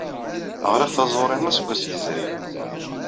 Ɣriɣ taẓuri aseggas yezrin.